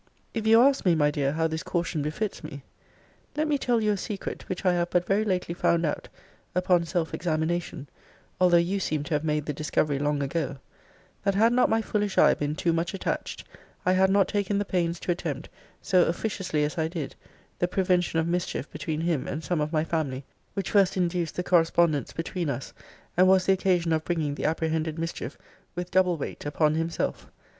If you ask me, my dear, how this caution befits me? let me tell you a secret which I have but very lately found out upon self examination, although you seem to have made the discovery long ago: That had not my foolish eye been too much attached, I had not taken the pains to attempt, so officiously as I did, the prevention of mischief between him and some of my family, which first induced the correspondence between us, and was the occasion of bringing the apprehended mischief with double weight upon himself.